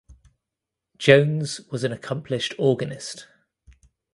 Jones was an accomplished organist.